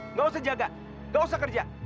nggak usah jaga gak usah kerja